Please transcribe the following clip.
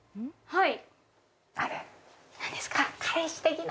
はい。